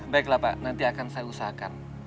baiklah pak nanti akan saya usahakan